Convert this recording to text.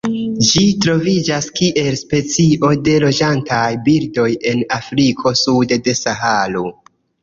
Ĝi troviĝas kiel specio de loĝantaj birdoj en Afriko sude de Saharo.